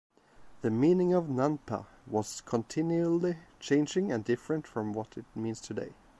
The meaning of nanpa was continuely changing and different from what it means today.